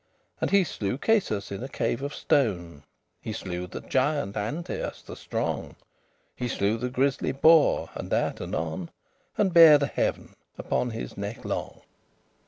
And he slew Cacus in a cave of stone; He slew the giant Antaeus the strong; He slew the grisly boar, and that anon; And bare the heav'n upon his necke long.